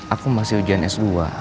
aku masih ujian s dua